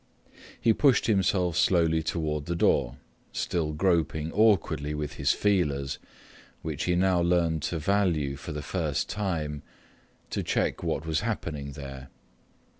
He pushed himself slowly toward the door, still groping awkwardly with his feelers, which he now learned to value for the first time, to check what was happening there.